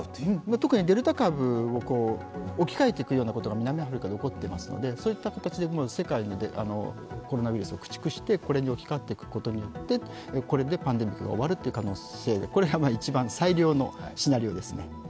特にデルタ株を置き換えるということが南アフリカで怒っていますのでそういった形で世界のコロナウイルスを駆逐してこれに置き換わっていくことによって、これでパンデミックが終わる可能性、これが一番最良のシナリオですね。